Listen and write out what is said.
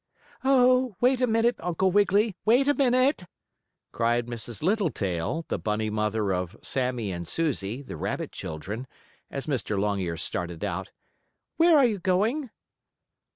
"Oh, wait a minute, Uncle Wiggily! Wait a minute!" cried Mrs. Littletail, the bunny mother of Sammie and Susie, the rabbit children, as Mr. Longears started out. "Where are you going?"